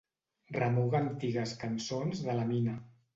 Remuga antigues cançons de la Mina.